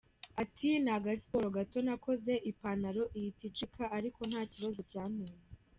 Ati “Ni agasiporo gato nakoze ipantaro ihita icika ariko nta kibazo byanteye.